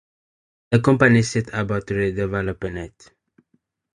The company set about redeveloping it.